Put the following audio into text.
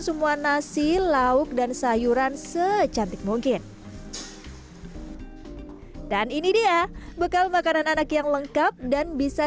semua nasi lauk dan sayuran secantik mungkin dan ini dia bekal makanan anak yang lengkap dan bisa